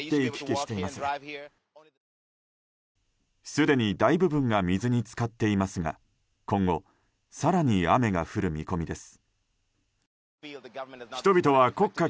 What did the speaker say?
すでに大部分が水に浸かっていますが今後、更に雨が降る見込みです。